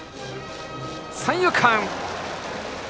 三遊間！